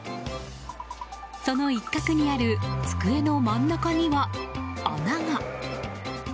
その一角にある机の真ん中には穴が。